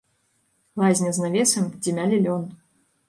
Лазня з навесам, дзе мялі лён.